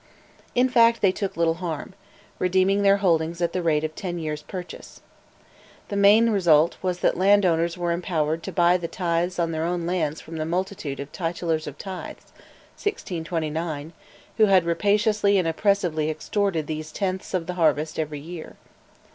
In fact, they took little harm redeeming their holdings at the rate of ten years' purchase. The main result was that landowners were empowered to buy the tithes on their own lands from the multitude of "titulars of tithes" (1629) who had rapaciously and oppressively extorted these tenths of the harvest every year.